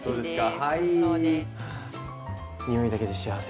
は匂いだけで幸せ。